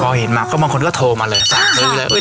พอเห็นมาก็บางคนก็โทรมาเลยสั่งซื้อเลย